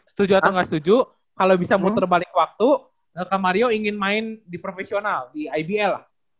setuju atau nggak setuju kalau bisa muter balik waktu kak mario ingin main di profesional di ibl